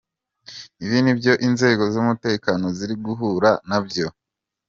Ibi ni byo inzego z’umutekano ziri guhura na byo.